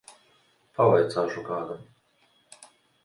Pavaicāšu kādam.